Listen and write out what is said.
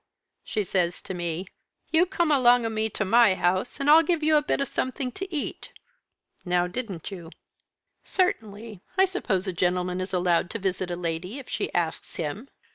She says to me, 'You come along o' me to my house, and I'll give you a bit of something to eat.' Now didn't you?" "Certainly. I suppose a gentleman is allowed to visit a lady if she asks him."